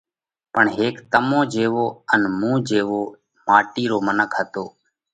پڻ ھيڪ تمون جيوو ان مُون جيوو ماٽِي رو منک ھتو۔